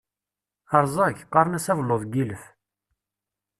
Rẓag, qqaren-as abelluḍ n yilef.